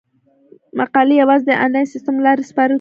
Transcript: مقالې یوازې د انلاین سیستم له لارې سپارل کیږي.